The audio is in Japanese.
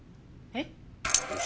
えっ？